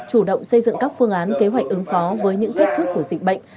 chủ động xây dựng các phương án kế hoạch ứng phó với những thách thức của dịch bệnh